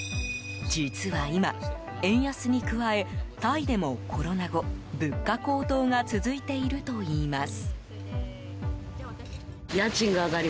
実は今、円安に加えタイでもコロナ後、物価高騰が続いているといいます。